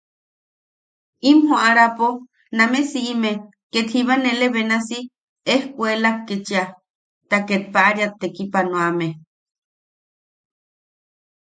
In joʼarapo name siʼime, ket jiba nele benasi, ejkuelak kechia, ta ket paʼariat tekipanoame.